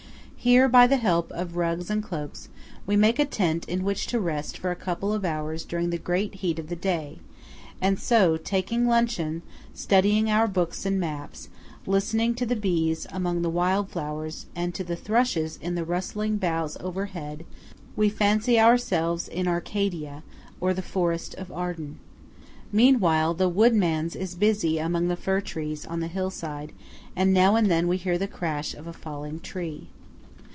Here, by the help of rugs and cloaks, we make a tent in which to rest for a couple of hours during the great heat of the day; and so, taking luncheon, studying our books and maps, listening to the bees among the wild flowers and to the thrushes in the rustling boughs overhead, we fancy ourselves in Arcadia, or the Forest of Arden. Meanwhile, the woodman's is busy among the firs on the hillside, and now and then we hear the crash of a falling tree.